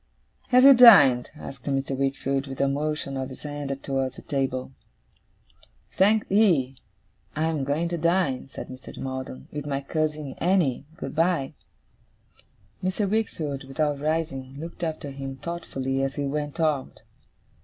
'Have you dined?' asked Mr. Wickfield, with a motion of his hand towards the table. 'Thank'ee. I am going to dine,' said Mr. Maldon, 'with my cousin Annie. Good bye!' Mr. Wickfield, without rising, looked after him thoughtfully as he went out.